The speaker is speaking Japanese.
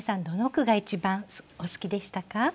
どの句が一番お好きでしたか？